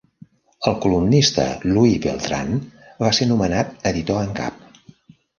El columnista Louie Beltran va ser nomenat editor en cap.